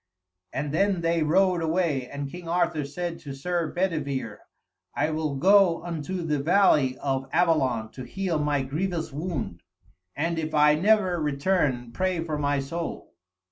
And then they rowed away, and King Arthur said to Sir Bedivere, "I will go unto the valley of Avalon to heal my grievous wound, and if I never return, pray for my soul."